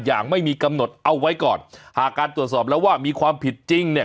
อย่างไม่มีกำหนดเอาไว้ก่อนหากการตรวจสอบแล้วว่ามีความผิดจริงเนี่ย